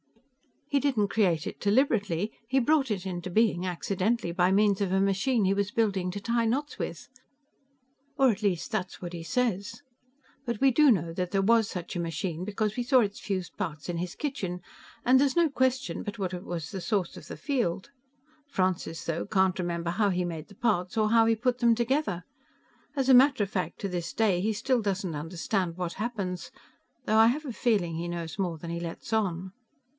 "He didn't create it deliberately he brought it into being accidentally by means of a machine he was building to tie knots with. Or at least that's what he says. But we do know that there was such a machine because we saw its fused parts in his kitchen, and there's no question but what it was the source of the field. Francis, though, can't remember how he made the parts or how he put them together. As a matter of fact, to this day he still doesn't understand what happened though I have a feeling that he knows more than he lets on."